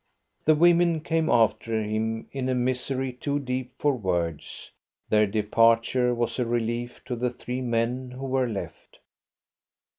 The women came after him, in a misery too deep for words. Their departure was a relief to the three men who were left.